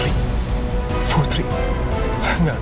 enggak enggak enggak